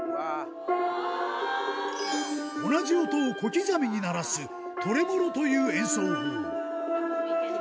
同じ音を小刻みに鳴らすトレモロという演奏法。